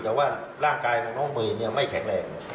แต่ว่าร่างกายของน้องเมย์ไม่แข็งแรง